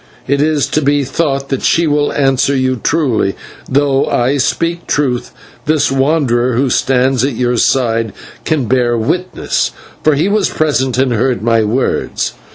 Is it to be thought that she will answer you truly, though that I speak truth this wanderer who stands at your side can bear witness, for he was present and heard my words.